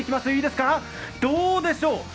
いいですか、どうでしょう？